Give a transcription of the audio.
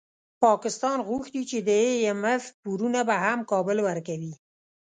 پاکستان غوښتي چي د ای اېم اېف پورونه به هم کابل ورکوي